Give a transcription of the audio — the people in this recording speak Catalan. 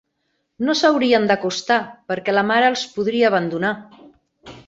No s'haurien d'acostar, perquè la mare els podria abandonar.